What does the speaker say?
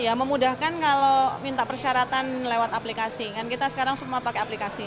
ya memudahkan kalau minta persyaratan lewat aplikasi kan kita sekarang semua pakai aplikasi